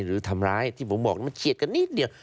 หรือทำร้ายที่ผมบอกมันเขียดกันนิดเดียว